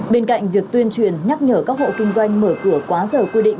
bên cạnh việc tuyên truyền nhắc nhở các hộ kinh doanh mở cửa quá giờ quy định